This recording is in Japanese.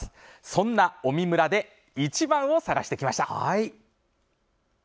そんな麻績村でイチバンを探してきました。